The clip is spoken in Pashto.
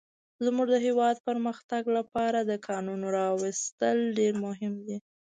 زموږ د هيواد د پرمختګ لپاره د کانونو راويستل ډير مهم دي.